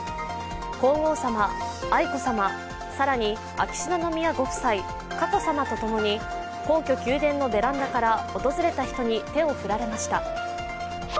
皇后さま、愛子さま、更に秋篠宮ご夫妻、佳子さまとともに皇居・宮殿のベランダから訪れた人に手を振られました。